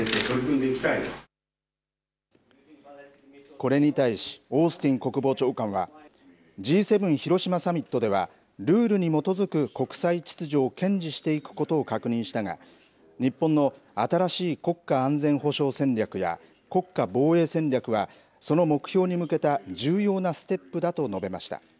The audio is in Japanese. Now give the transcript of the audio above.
これに対しオースティン国防長官はＧ７広島サミットではルールに基づく国際秩序を堅持していくことを確認したが日本の新しい国家安全保障戦略や国家防衛戦略はその目標に向けた重要なステップだと述べました。